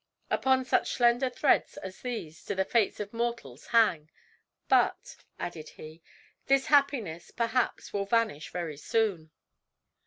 Upon such slender threads as these do the fates of mortals hang! But," added he, "this happiness perhaps will vanish very soon."